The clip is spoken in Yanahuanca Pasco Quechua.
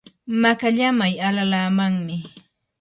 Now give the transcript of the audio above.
makallamay alalaamanmi.